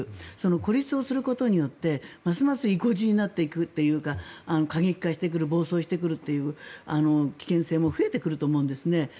孤立をすることでますます意固地になっていくというか過激化してくる暴走してくるという危険性も増えてくると思うんですね。